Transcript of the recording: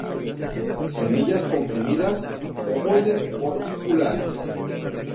Semillas comprimidas, ovoide-orbiculares.